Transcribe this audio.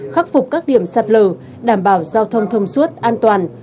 khắc phục các điểm sạt lở đảm bảo giao thông thông suốt an toàn